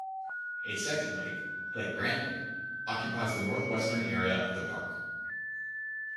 A second lake, Lake Brantley, occupies the northwestern area of the park.